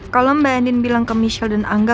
kalau mbak endin bilang ke michelle dan angga